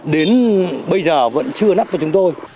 đến bây giờ vẫn chưa nắp cho chúng tôi